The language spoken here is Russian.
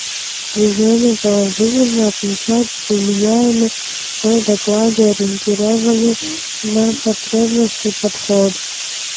Движение положительно отмечает применяемый в докладе ориентированный на потребности подход.